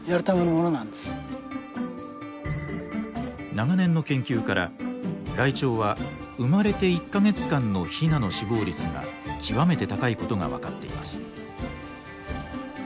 長年の研究からライチョウは生まれて１か月間のヒナの死亡率が極めて高いことが分かっています。